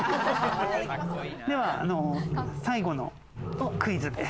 では最後のクイズです。